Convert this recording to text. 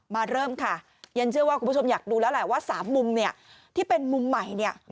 มาเริ่มค่ะยันเชื่อว่าคุณผู้ชมอยากดูแล้วว่า๓มุมที่เป็นมุมใหม่